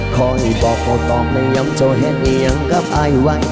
ขอให้บอกโปรดตอบและยำโจเห็นให้ยังกับอายไว้